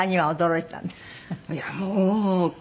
いやあもう。